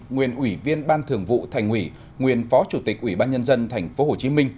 nguyên ủy viên ban thường vụ thành ủy nguyên phó chủ tịch ủy ban nhân dân tp hcm